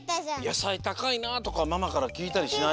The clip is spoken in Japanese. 「やさいたかいな」とかママからきいたりしない？